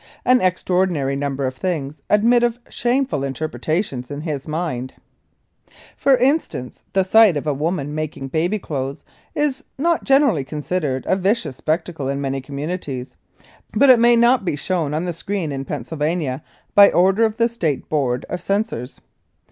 An extraordinary number of things admit of shameful interpretations in his mind. For instance, the sight of a woman making baby clothes is not generally considered a vicious spectacle in many communities, but it may not be shown on the screen in Pennsylvania by order of the state board of censors.